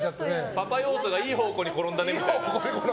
パパ要素がいい方向に転んだねみたいな。